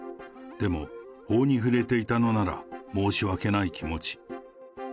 でも、法に触れていたのなら申し訳ない気持ち。